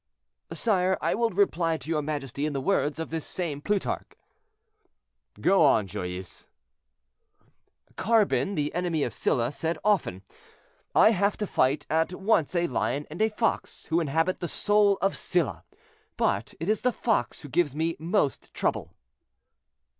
"Sire, I will reply to your majesty in the words of this same Plutarch." "Go on, Joyeuse." "Carbon, the enemy of Sylla, said often, 'I have to fight at once a lion and a fox who inhabit the soul of Sylla, but it is the fox who gives me most trouble.'"